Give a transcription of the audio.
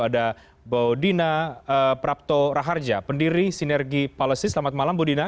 ada baudina prapto raharja pendiri sinergi polesis selamat malam baudina